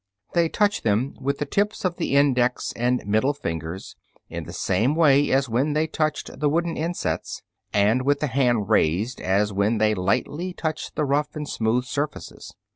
They touch them with the tips of the index and middle fingers in the same way as when they touched the wooden insets, and with the hand raised as when they lightly touched the rough and smooth surfaces.